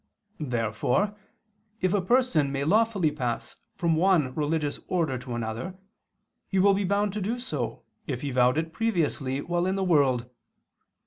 Therefore if a person may lawfully pass from one religious order to another, he will be bound to do so if he vowed it previously while in the world.